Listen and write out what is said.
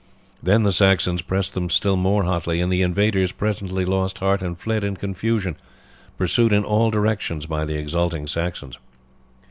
Then the Saxons pressed them still more hotly, and the invaders presently lost heart and fled in confusion, pursued in all directions by the exulting Saxons.